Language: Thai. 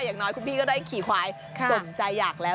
อย่างน้อยคุณพี่ก็ได้ขี่ควายสมใจอยากแล้ว